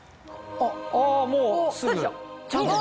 あもうすぐ。